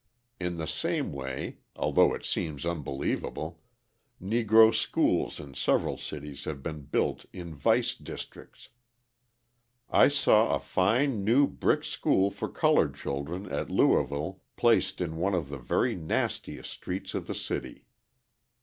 In the same way, although it seems unbelievable, Negro schools in several cities have been built in vice districts. I saw a fine new brick school for coloured children at Louisville placed in one of the very nastiest streets of the city.